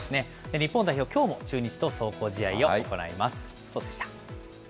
日本代表、きょうも中日と壮行試合を行います。